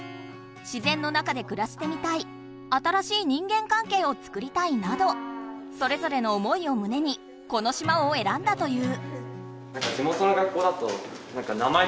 「自然の中でくらしてみたい」「新しい人間かんけいを作りたい」などそれぞれの思いをむねにこの島をえらんだという。